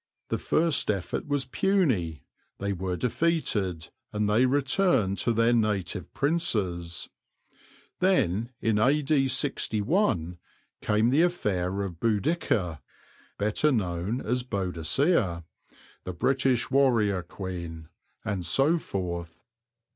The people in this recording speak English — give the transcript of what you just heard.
The first effort was puny; they were defeated, and they returned to their native princes. Then, in A.D. 61, came the affair of Boudicca, better known as Boadicea, "the British warrior queen," and so forth.